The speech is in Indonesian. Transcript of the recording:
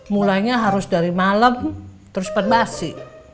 mulainya harus dari malem terus perbasi